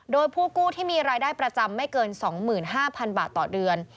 โดยผู้กู้ที่มีรายได้ประจำไม่เกิน๒๕๐๐๐บาทต่อเดือน